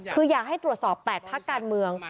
คืออยากให้ตรวจสอบ๘พักการเมือง